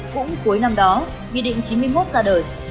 cũng cuối năm đó nghị định chín mươi một ra đời